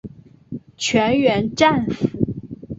全员战死。